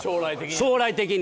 将来的に？